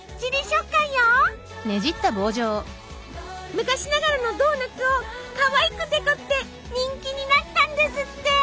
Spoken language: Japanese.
昔ながらのドーナツをかわいくデコって人気になったんですって。